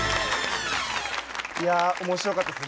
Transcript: いや面白かったです。